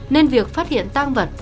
nên việc phát hiện tăng vật